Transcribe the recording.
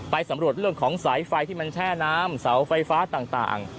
สำรวจเรื่องของสายไฟที่มันแช่น้ำเสาไฟฟ้าต่าง